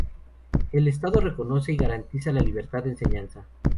El estado reconoce y garantiza la libertad de enseñanza.